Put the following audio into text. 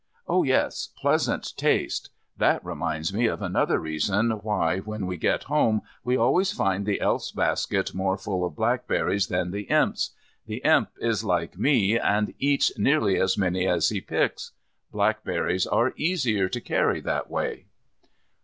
Oh, yes, pleasant taste, that reminds me of another reason why when we get home we always find the Elf's basket more full of blackberries than the Imp's. The Imp is like me, and eats nearly as many as he picks. Blackberries are easier to carry that way.